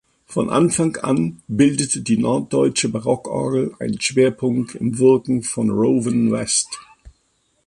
Von Anfang an bildete die norddeutsche Barockorgel einen Schwerpunkt im Wirken von Rowan West.